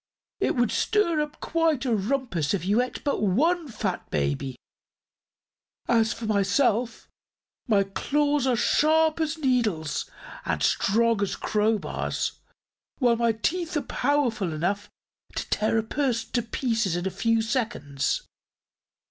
"It would stir up quite a rumpus if you ate but one fat baby. As for myself; my claws are sharp as needles and strong as crowbars, while my teeth are powerful enough to tear a person to pieces in a few seconds.